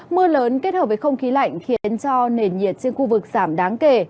mưa lớn kết hợp với không khí lạnh khiến cho nền nhiệt trên khu vực giảm đáng kể